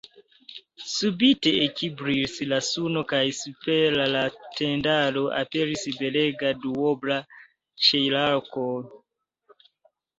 Subite ekbrilis la suno kaj super la tendaro aperis belega duobla ĉielarko.